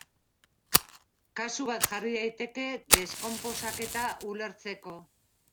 Kasu bat jarri daiteke deskonposaketa ulertzeko.